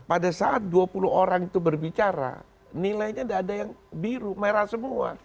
pada saat dua puluh orang itu berbicara nilainya tidak ada yang biru merah semua